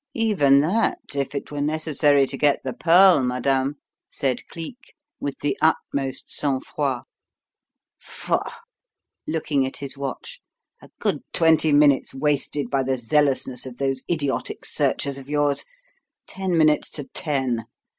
"Even that, if it were necessary to get the pearl, madame," said Cleek, with the utmost sang froid. "Faugh!" looking at his watch, "a good twenty minutes wasted by the zealousness of those idiotic searchers of yours. Ten minutes to ten!